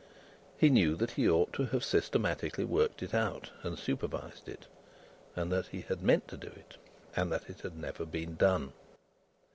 He knew that he ought to have systematically worked it out and supervised it, and that he had meant to do it, and that it had never been done.